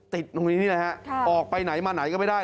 ติดตรงนี้ออกไปไหนมาไหนก็ไม่ได้